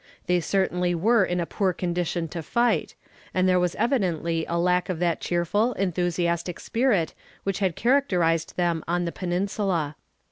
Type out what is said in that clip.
They certainly were in a poor condition to fight, and there was evidently a lack of that cheerful, enthusiastic spirit, which had characterized them on the Peninsula.